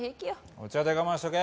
お茶で我慢しとけ。